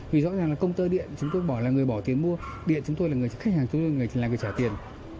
vì rõ ràng là công tư điện chúng tôi là người bỏ tiền mua điện chúng tôi là người trả tiền